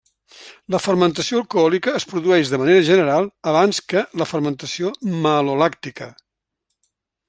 La fermentació alcohòlica es produeix de manera general abans que la fermentació malolàctica.